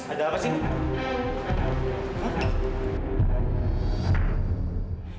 ada apa sih